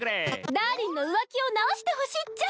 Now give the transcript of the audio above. ダーリンの浮気をなおしてほしいっちゃ。